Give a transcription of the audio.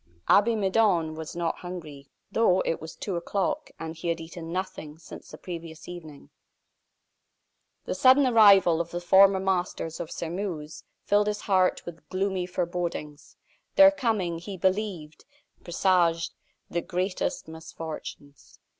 Abbe Midon was not hungry, though it was two o'clock, and he had eaten nothing since the previous evening. The sudden arrival of the former masters of Sairmeuse filled his heart with gloomy forebodings. Their coming, he believed, presaged the greatest misfortunes.